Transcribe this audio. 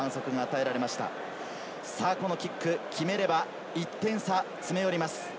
このキック決めれば、１点差に詰め寄ります。